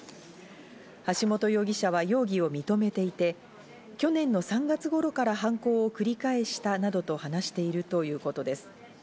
橋本容疑者は容疑を認めていて、去年の３月頃から犯行を繰り返したなどと話しているということです。